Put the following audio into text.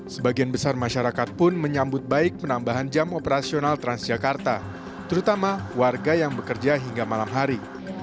sebagian besar masyarakat pun menyambut baik penambahan jam operasional transjakarta terutama warga yang bekerja hingga malam hari